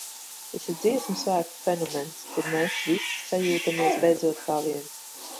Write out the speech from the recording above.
Tas ir Dziesmu svētku fenomens, kur mēs visi sajūtamies beidzot kā viens.